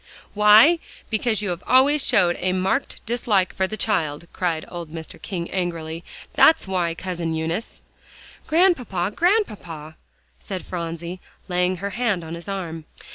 "Why? because you have always showed a marked dislike for the child," cried old Mr. King angrily, "that's why, Cousin Eunice." "Grandpapa Grandpapa," said Phronsie, laying her hand on his arm.